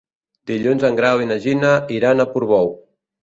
Dilluns en Grau i na Gina iran a Portbou.